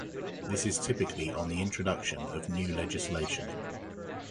This is typically on the introduction of new legislation.